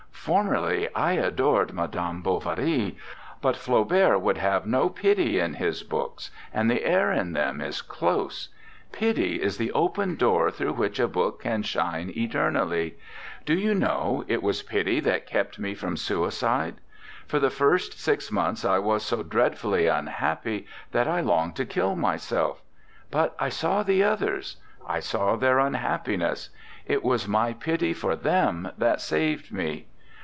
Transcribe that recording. Formerly I adored 'Madame Bovary'; but Flau bert would have no pity in his books, and the air in them is close; pity is the open door through which a book can shine eternally. ... Do you know, it was pity that kept me from suicide. For the first six months I was so dreadfully un happy that I longed to kill myself but I saw the others. I saw their un happiness; it was my pity for them that saved me.